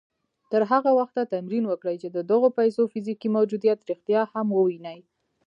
تر هغه وخته تمرين وکړئ چې د دغو پيسو فزيکي موجوديت رښتيا هم ووينئ.